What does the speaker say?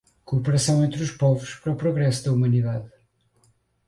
cooperação entre os povos para o progresso da humanidade;